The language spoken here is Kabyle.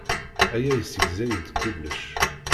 Aya yessegzay-d kullec.